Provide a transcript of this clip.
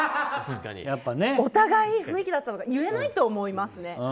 お互い、いい雰囲気だったのが言えないと思いますね。